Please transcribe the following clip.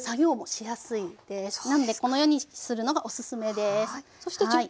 なのでこのようにするのがオススメです。